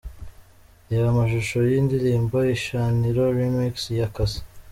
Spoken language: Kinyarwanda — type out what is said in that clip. Reba amashusho y'indirimbo ' Ishiraniro remix ya Cassa'.